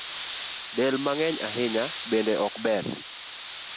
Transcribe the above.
Del mang’eny ahinya bende ok ber